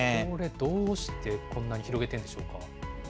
どうしてこんなに広げてるんでしょうか。